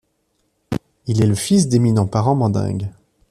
Il est le fils d'éminents parents mandingues.